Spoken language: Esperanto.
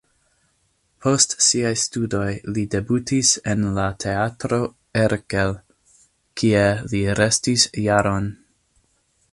Post siaj studoj li debutis en la Teatro Erkel, kie li restis jaron.